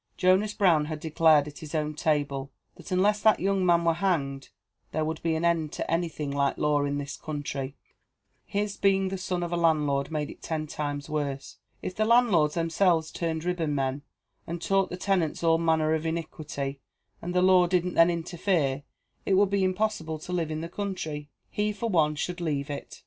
Jonas Brown had declared at his own table, that "unless that young man were hanged, there would be an end to anything like law in the country; his being the son of a landlord made it ten times worse; if the landlords themselves turned ribbonmen, and taught the tenants all manner of iniquity, and the law didn't then interfere, it would be impossible to live in the country; he, for one, should leave it.